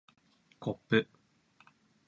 こっぷ